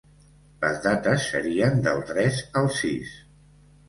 Les dates serien del tres al sis.